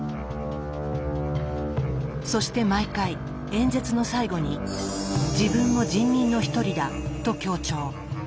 そして毎回演説の最後に「自分も人民の一人だ」と強調。